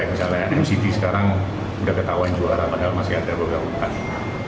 misalnya ucv sekarang udah ketahuan juara padahal masih ada beberapa hutan